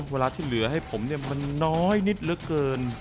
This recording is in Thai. เวลาที่เหลือให้ผมมันน้อยนิดเหลือเกิน